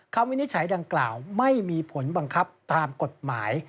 วินิจฉัยดังกล่าวไม่มีผลบังคับตามกฎหมาย